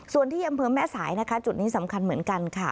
ส่วนที่อำเภอแม่สายนะคะจุดนี้สำคัญเหมือนกันค่ะ